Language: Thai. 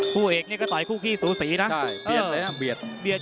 ผู้เอกเนี่ยก็ต่อยคู่ขี้สูสีนะใช่เปรียดเลยนะเปรียด